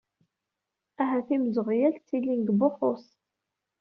Ahat imzeɣyal ttilin i Buxxuṣ.